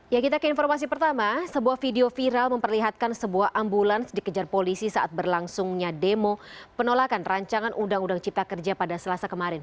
ya kita ke informasi pertama sebuah video viral memperlihatkan sebuah ambulans dikejar polisi saat berlangsungnya demo penolakan rancangan undang undang cipta kerja pada selasa kemarin